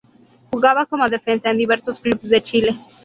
Jugaba como defensa en diversos clubes de Chile.